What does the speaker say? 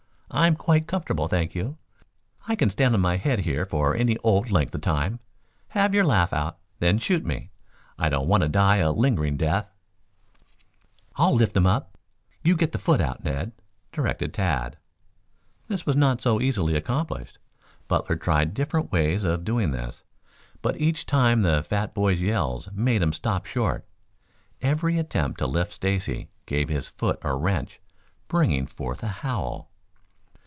I'm quite comfortable, thank you. I can stand on my head here for any old length of time. Have your laugh out, then shoot me! I don't want to die a lingering death." "I'll lift him up. You get the foot out, Ned," directed Tad. This was not so easily accomplished. Butler tried different ways of doing this, but each time the fat boy's yells made him stop short. Every attempt to lift Stacy gave his foot a wrench, bringing forth a howl.